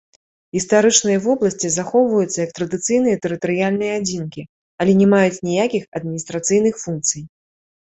Гістарычныя вобласці захоўваюцца як традыцыйныя тэрытарыяльныя адзінкі, але не маюць ніякіх адміністрацыйных функцый.